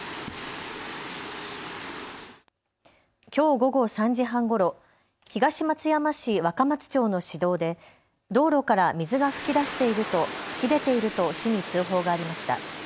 きょう午後３時半ごろ、東松山市若松町の市道で道路から水が噴き出ていると市に通報がありました。